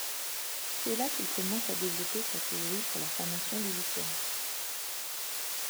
C’est là qu’il commence à développer sa théorie sur la formation du lichen.